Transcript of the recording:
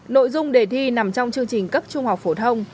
nội dung đề thi nằm trong chương trình cấp trung học phổ thông